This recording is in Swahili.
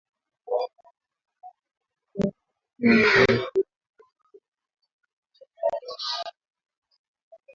Na mwaka uliofuata, elfu moja mia tisa sitini na saba, Idhaa ya Kiswahili ya Sauti ya Amerika ilizindua matangazo ya moja kwa moja kutoka studio